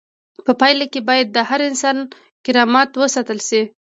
په پایله کې باید د هر انسان کرامت وساتل شي.